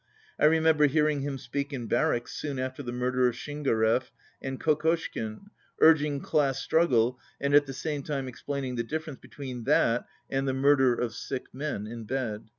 I remember hearing him speak in barracks soon after the murder of Shin garev and Kokoshkin, urging class struggle and at the same time explaining the difference between that and the murder of sick men in bed.